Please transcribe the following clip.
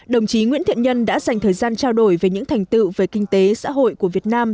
đồng chí nguyễn thiện nhân đã dành thời gian trao đổi về những thành tựu về kinh tế xã hội của việt nam